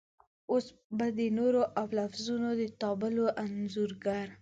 اوس به د تورو او لفظونو د تابلو انځورګر